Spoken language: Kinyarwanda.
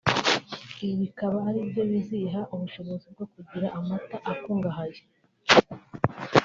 ibi bikaba aribyo biziha ubushobozi bwo kugira amata akungahaye